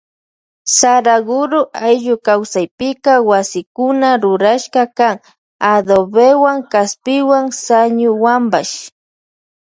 Saraguro ayllu kawsaypika wasikuna rurashka kan adobewan kaspiwan sañuwanpash.